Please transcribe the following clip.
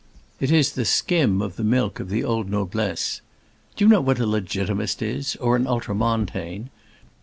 It is the skim of the milk of the old noblesse. Do you know what a Legitimist is, or an Ultramontane?